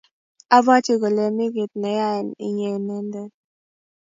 Abwati kole mi kit ne ya eng inye inendet